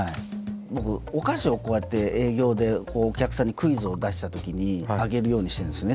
僕お菓子をこうやって営業でお客さんにクイズを出したときにあげるようにしてるんですね。